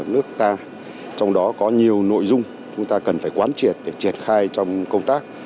nước ta trong đó có nhiều nội dung chúng ta cần phải quán triệt để triển khai trong công tác